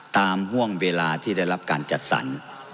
ห่วงเวลาที่ได้รับการจัดสรร